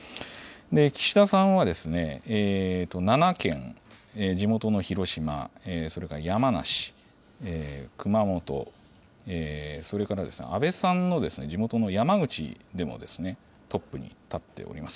岸田さんは、７県、地元の広島、それから山梨、熊本、それから安倍さんの地元の山口でも、トップに立っております。